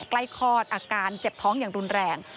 คลอดอาการเจ็บท้องอย่างรุนแรง